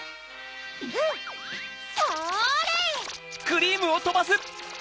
うん！それ！